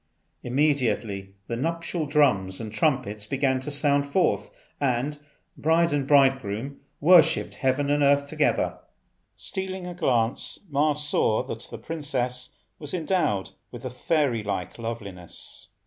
Immediately the nuptial drums and trumpets began to sound forth, and bride and bridegroom worshipped Heaven and Earth together. Stealing a glance Ma saw that the princess was endowed with a fairy like loveliness.